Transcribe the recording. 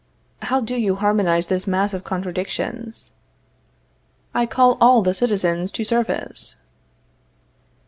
How do you harmonize this mass of contradictions? I call all the citizens to service.